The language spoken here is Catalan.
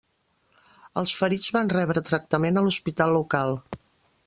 Els ferits van rebre tractament a l'hospital local.